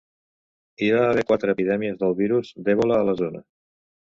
Hi va haver quatre epidèmies del virus d'Ebola a la zona.